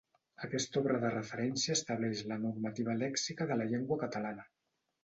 Aquesta obra de referència estableix la normativa lèxica de la llengua catalana.